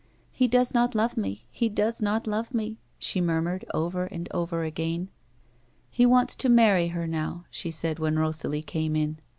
" He does not love me, he does not love me," she murmured over and over again. " He wants to marry her now," she said, when Rosalie came in.